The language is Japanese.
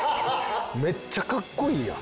めっちゃかっこいいやん。